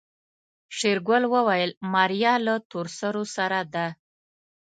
شېرګل وويل ماريا له تورسرو سره ده.